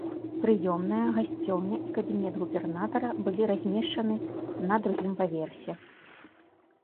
Прыёмная, гасцёўня і кабінет губернатара былі размешаны на другім паверсе.